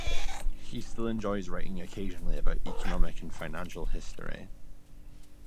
He still enjoys writing occasionally about economic and financial history.